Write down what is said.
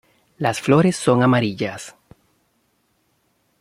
Las flores son amarillas.